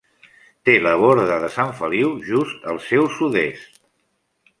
Té la Borda de Sant Feliu just al seu sud-est.